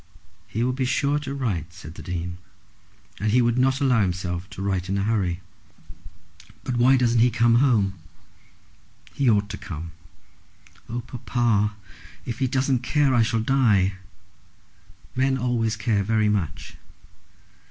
"He will be sure to write," said the Dean, "and he would not allow himself to write in a hurry." "But why doesn't he come?" "He ought to come." "Oh, papa; if he doesn't care, I shall die." "Men always care very much."